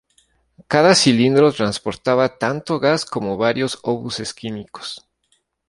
Cada cilindro transportaba tanto gas como varios obuses químicos.